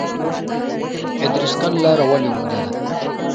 ادرسکن لاره ولې اوږده ده؟